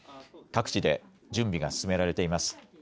各地で準備が進められています。